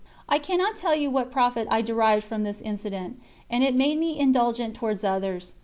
I cannot tell you what profit I derived from this incident, and it made me indulgent towards others.